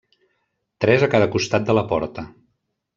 Tres a cada costat de la porta.